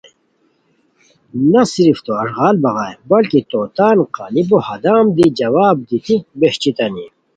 نہ صرف تو اݱغال بغائے بلکہ تو تان قا لیپو ہدام دی جواب دیتی بہچیتانی